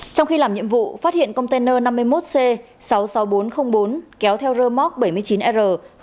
trong khi làm nhiệm vụ phát hiện container năm mươi một c sáu mươi sáu nghìn bốn trăm linh bốn kéo theo rơ móc bảy mươi chín r hai nghìn hai mươi